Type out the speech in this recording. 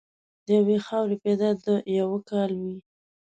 له یوې خاورې پیدا د یوه کاله وې.